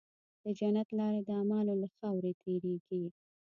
د جنت لاره د اعمالو له خاورې تېرېږي.